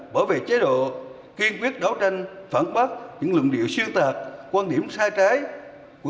bảo vệ chế độ kiên quyết đấu tranh phản bác những luận điệu siêu tạc quan điểm sai trái của